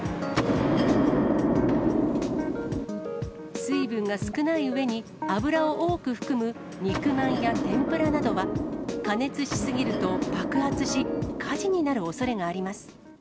水分が少ないうえに、油を多く含む肉まんや天ぷらなどは、加熱し過ぎると爆発し、火事になるおそれがあります。